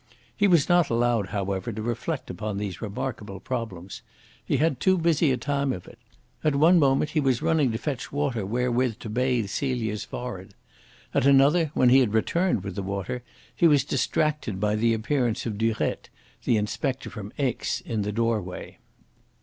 He was not allowed, however, to reflect upon these remarkable problems. He had too busy a time of it. At one moment he was running to fetch water wherewith to bathe Celia's forehead. At another, when he had returned with the water, he was distracted by the appearance of Durette, the inspector from Aix, in the doorway.